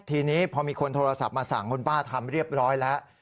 ทีนี้พอมีคนโทรศัพท์มาสั่งคุณป้าทำเรียบร้อยแล้ว